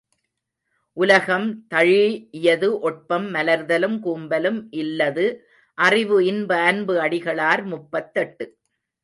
உலகம் தழீஇயது ஒட்பம் மலர்தலும் கூம்பலும் இல்லது அறிவு இன்ப அன்பு அடிகளார் முப்பத்தெட்டு.